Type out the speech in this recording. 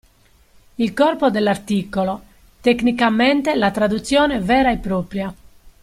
Il corpo dell'articolo, tecnicamente la traduzione vera e propria.